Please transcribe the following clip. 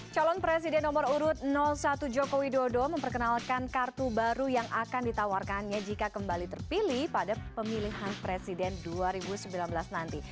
calon presiden nomor urut satu jokowi dodo memperkenalkan kartu baru yang akan ditawarkannya jika kembali terpilih pada pemilihan presiden dua ribu sembilan belas nanti